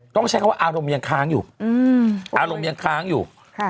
ต้องใช้คำว่าอารมณ์ยังค้างอยู่อารมณ์ยังค้างอยู่